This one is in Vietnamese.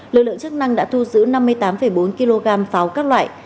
lực lượng chức năng đã thu giữ năm mươi tám bốn kg pháo các loại